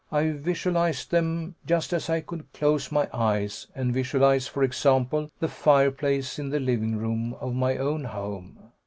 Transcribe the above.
I visualized them just as I could close my eyes and visualize, for example, the fireplace in the living room of my own home.